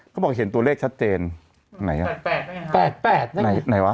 เขาบอกเขียนตัวเลขชัดเจนไหนแปดแปดแปดแปดไหนไหนวะ